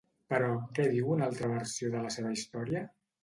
Però, què diu una altra versió de la seva història?